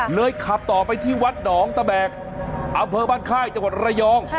ขับต่อไปที่วัดหนองตะแบกอำเภอบ้านค่ายจังหวัดระยอง